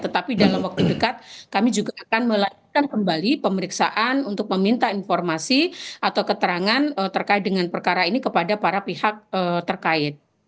tetapi dalam waktu dekat kami juga akan melanjutkan kembali pemeriksaan untuk meminta informasi atau keterangan terkait dengan perkara ini kepada para pihak terkait